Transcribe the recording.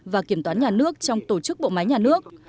và kiểm toán nhà nước trong tổ chức bộ máy nhà nước